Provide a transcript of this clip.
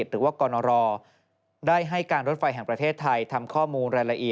โดยรฟทจะประชุมและปรับแผนให้สามารถเดินรถได้ทันในเดือนมิถุนายนปี๒๕๖๓